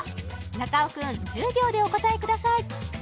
中尾君１０秒でお答えください